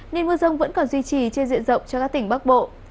nên mưa rông vẫn còn duy trì trên diện rộng cho các tỉnh bắc bộ